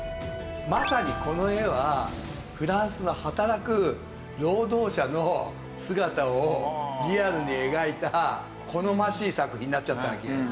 まさにこの絵はフランスの働く労働者の姿をリアルに描いた好ましい作品になっちゃったわけ。